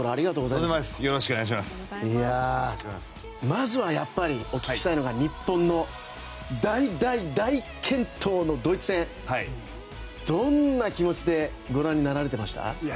まずはやっぱりお聞きしたいのが日本の大大大健闘のドイツ戦、どんな気持ちでご覧になられてましたか。